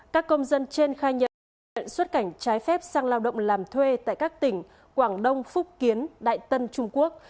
các công dân trên khai nhận nhập xuất cảnh trái phép sang lao động làm thuê tại các tỉnh quảng đông phúc kiến đại tân trung quốc